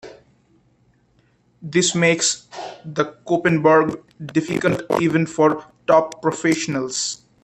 This makes the Koppenberg difficult even for top professionals.